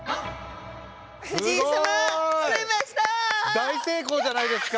大成功じゃないですか！